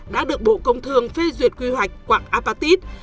đã được bộ công thường phê duyệt quy hoạch quạng apatit